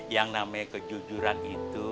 yang namanya kejujuran itu